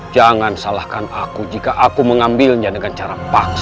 jangan salahkan aku jika aku mengambilnya dengan cara paksa